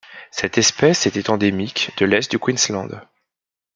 Cette espèce était endémique de l'est du Queensland.